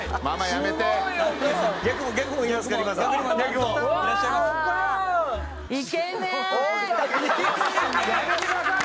やめてください！